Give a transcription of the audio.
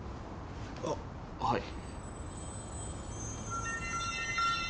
あっはい。